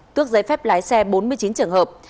tước giấy phép lái xe bốn mươi chín trường hợp